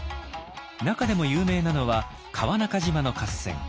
中でも有名なのは川中島の合戦。